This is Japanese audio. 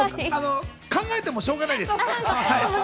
考えてもしょうがないです。